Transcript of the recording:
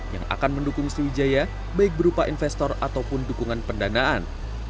yang akan mendukung sriwijaya baik berupa investor ataupun dukungan pendanaan